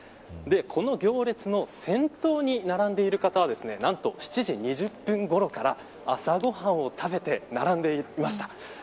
この行列の先頭に並んでいる方は何と７時２０分ごろから朝ご飯を食べて並んでいました。